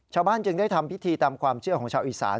ชาวบ้านจึงได้ทำพิธีตามความเชื่อของชาวอีสาน